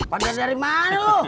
pak jari dari mana lo